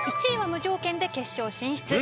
１位は無条件で決勝進出。